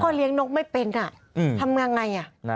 เลี้ยงนกไม่เป็นทำยังไง